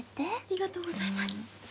ありがとうございます。